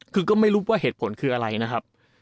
คือก็ไม่รู้ว่าเหตุผลคืออะไรนะครับ